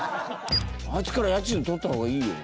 あいつから家賃取った方がいいよ。